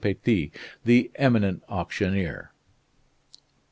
Petit, the eminent auctioneer.